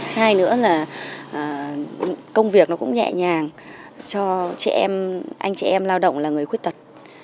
hai nữa là công việc nó cũng nhẹ nhàng cho anh chị em lao động là người khuyết tật